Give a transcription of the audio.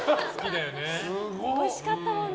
おいしかったもんな。